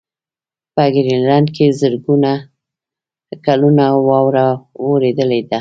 په ګرینلنډ کې زرګونه کلونه واوره ورېدلې ده.